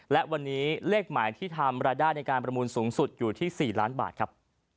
และวันนี้เลขหมายที่ทำรายได้ในการประมูลสูงสุดอยู่ที่๔ล้านบาทครับ